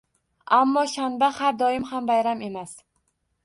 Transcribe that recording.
Ammo shanba har doim ham bayram emas